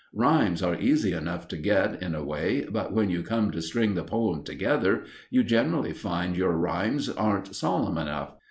Rhymes are easy enough to get, in a way, but when you come to string the poem together, you generally find your rhymes aren't solemn enough.